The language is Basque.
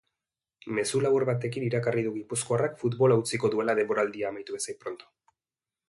Mezu labur batekin iragarri du gipuzkoarrak futbola utziko duela denboraldi amaitu bezain pronto.